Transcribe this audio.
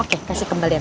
oke kasih kembalian